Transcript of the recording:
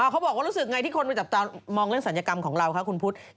เขาบอกรู้สึกไงที่คนไปจับตามองเรื่องศัลยกรรมของเราคะคุณพุทธ